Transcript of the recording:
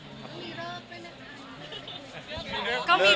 มีเริ่มไปไหม